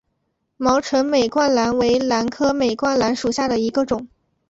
毛唇美冠兰为兰科美冠兰属下的一个种。